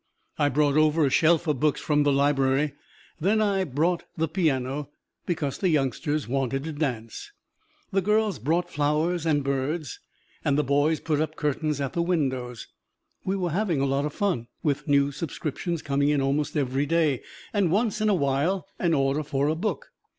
I brought over a shelf of books from the library. Then I brought the piano, because the youngsters wanted to dance. The girls brought flowers and birds, and the boys put up curtains at the windows. We were having a lot o' fun, with new subscriptions coming in almost every day, and once in a while an order for a book.